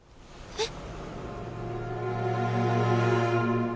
えっ。